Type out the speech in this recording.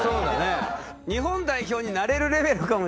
日本代表になれるレベルかもしんないから。